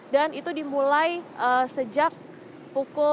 dan itu dimulai sejak pukul